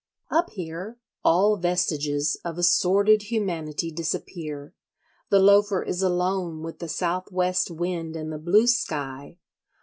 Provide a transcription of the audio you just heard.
Up here all vestiges of a sordid humanity disappear. The Loafer is alone with the south west wind and the blue sky.